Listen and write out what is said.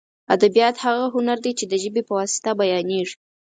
ادبیات هغه هنر دی چې د ژبې په واسطه بیانېږي.